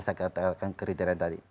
saya katakan kriteria tadi